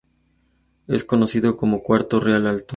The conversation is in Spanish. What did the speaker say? Es conocido como cuarto Real Alto.